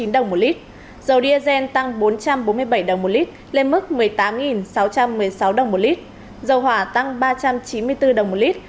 đồng desn tăng bốn trăm bốn mươi bảy đồng một lít lên mức một mươi tám sáu trăm một mươi sáu đồng một lít dầu hỏa tăng ba trăm chín mươi bốn đồng một lít